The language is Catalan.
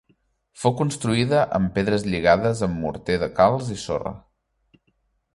Fou construïda amb pedres lligades amb morter de calç i sorra.